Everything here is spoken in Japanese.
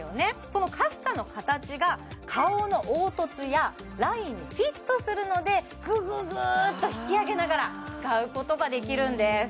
そのカッサの形が顔の凹凸やラインにフィットするのでグググーッと引き上げながら使うことができるんです